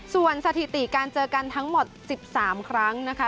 ส่วนสถิติการเจอกันทั้งหมด๑๓ครั้งนะคะ